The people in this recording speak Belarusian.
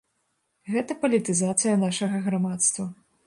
Гэта палітызацыя нашага грамадства.